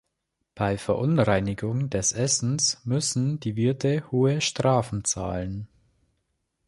Bei Verunreinigungen des Essens müssen die Wirte hohe Strafen zahlen.